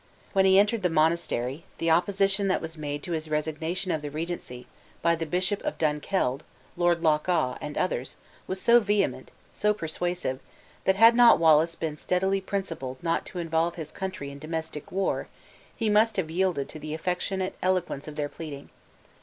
When he entered the monastery, the opposition that was made to his resignation of the regency, by the Bishop of Dunkeld, Lord Loch awe, and others, was so vehement, so persuasive, that had not Wallace been steadily principled not to involve his country in domestic war, he must have yielded to the affectionate eloquence of their pleading.